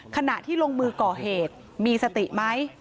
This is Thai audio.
ขณะที่ลงมือก่อเหตุมีสติไหม